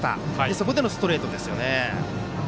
そこでのストレートですよね。